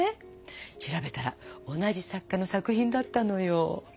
調べたら同じ作家の作品だったのよ。